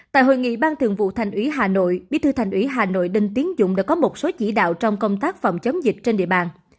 tại hội nghị ban thường vụ thành ủy hà nội bí thư thành ủy hà nội đinh tiến dũng đã có một số chỉ đạo trong công tác phòng chống dịch trên địa bàn